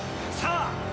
さあ！